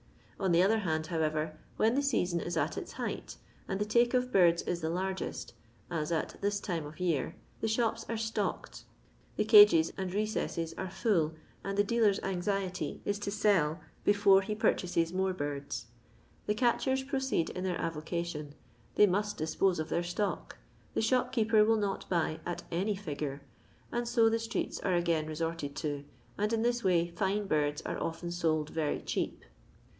On the other hand, however, when the season is at its height, and the take of birds is the largest, as at this time of year, the shops are "stocked." The cages and recesses are full, and the dealer's anxiety is to sell before he purehases more birds. The catchera proceed in their avocation; they must dispose of their stock ; the shopkeeper will not buy " at any figure," and so the streets are again resorted to, and in this way fine birds are often sold very cheap.